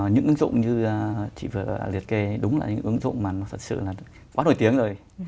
những ứng dụng như chị vừa liệt kê đúng là những ứng dụng mà nó thật sự là quá nổi tiếng rồi